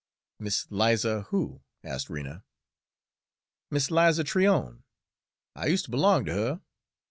"Mis' 'Liza who?" asked Rena. "Mis' 'Liza Tryon. I use' ter b'long ter her.